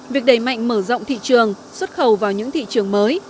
việc đẩy mạnh mở rộng thị trường xuất khẩu vào những thị trường mới